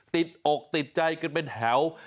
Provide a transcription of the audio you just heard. ติดอกติดใจกันเป็นแถว